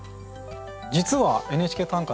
実は「ＮＨＫ短歌」